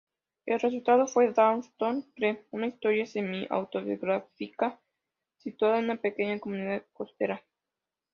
El resultado fue "Dawson's Creek", una historia semi-autobiográfica situada en una pequeña comunidad costera.